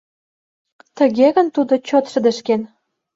Тыге гын, тудо чот шыдешкен.